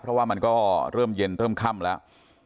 เพราะว่ามันก็เริ่มเย็นเริ่มค่ำแล้ว